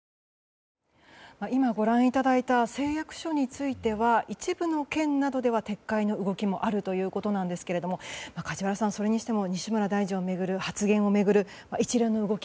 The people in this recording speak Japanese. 今、ご覧いただいた誓約書については一部の県などでは撤回の動きもあるということですが梶原さん、それにしても西村大臣の発言を巡る一連の動き